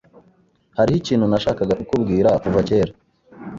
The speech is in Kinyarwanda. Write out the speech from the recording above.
Hariho ikintu nashakaga kukubwira kuva kera.